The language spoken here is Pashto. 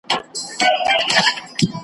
د غوايی خواته ور څېرمه ګام په ګام سو .